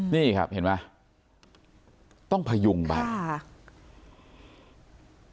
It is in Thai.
นี่ครับเห็นไหมต้องพยุงไปค่ะ